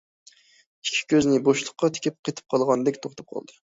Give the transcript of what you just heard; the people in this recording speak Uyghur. ئىككى كۆزىنى بوشلۇققا تىكىپ قېتىپ قالغاندەك توختاپ قالدى.